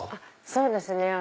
そうですね。